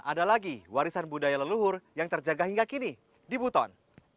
ada lagi warisan budaya leluhur yang terjaga hingga kini di buton